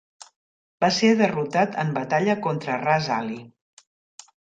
Va ser derrotat en batalla contra Ras Ali.